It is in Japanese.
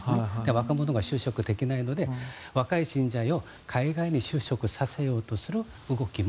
若者が就職できないので若い人材を海外に就職させようとする動きも